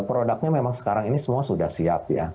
produknya memang sekarang ini semua sudah siap ya